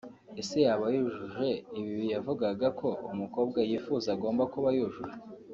Ese yaba yujuje ibi yavugaga ko umukobwa yifuza agomba kuba yujuje